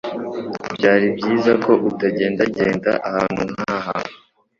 Byari byiza ko utagendagenda ahantu nkaha.